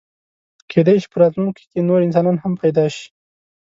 کېدی شي په راتلونکي کې نور انسانان هم پیدا شي.